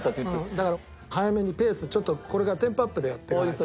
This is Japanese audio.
だから早めにペースちょっとこれからテンポアップでやっていかないと。